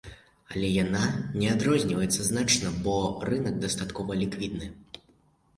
Але яна не адрозніваецца значна, бо рынак дастаткова ліквідны.